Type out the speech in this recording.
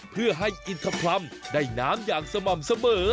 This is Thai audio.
เพื่อให้อินทพรรมได้น้ำอย่างสม่ำเสมอ